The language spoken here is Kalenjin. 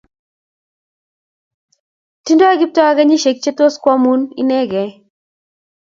Tidnoi Kiptoo kenyisiek che tos koamuan inekei